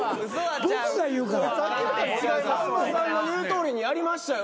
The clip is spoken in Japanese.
さんまさんの言うとおりにやりましたよ